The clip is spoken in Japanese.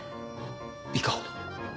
いかほど？